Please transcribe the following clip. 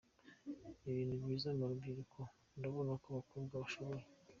Ni ibintu byiza mu rubyiruko, urabona ko abakobwa bashoboye.